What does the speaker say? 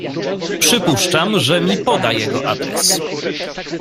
"Przypuszczam, że mi poda jego adres."